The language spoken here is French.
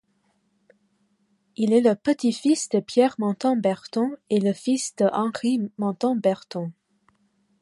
Il est le petit-fils de Pierre-Montan Berton et le fils de Henri-Montan Berton.